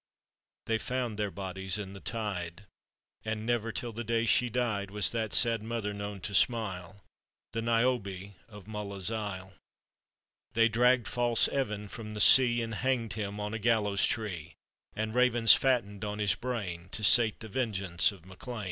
They found their bodies in the tide ; And never till the day she died Was that sad mother known to smile — The Niobe of Mulla's isle. They dragg'd false Evan from the sea, And hang'd him on a gallows tree; And ravens fatten'd on his brain, To sate the vengeance of MaeLean.